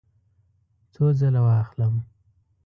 څو ځله واخلم؟